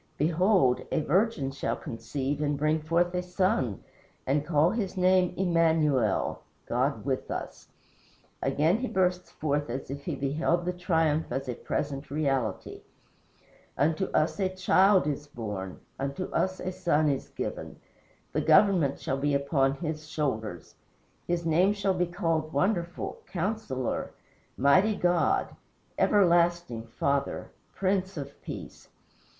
Behold, a virgin shall conceive and bring forth a son and shall call his name Immanuel [God with us]." Again he bursts forth as if he beheld the triumph as a present reality: "Unto us a child is born Unto us a son is given. The government shall be upon his shoulders. His name shall be called Wonderful, Counsellor, Mighty God, Everlasting Father, Prince of Peace.